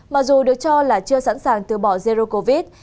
mặc dù được cho là chưa sẵn sàng từ bỏ zero covid